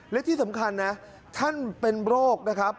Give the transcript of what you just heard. และที่สำคัญท่านเป็นโรค